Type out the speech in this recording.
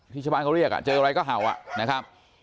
ชาวบ้านเขาเรียกเจออะไรก็เห่าอ่ะนะครับ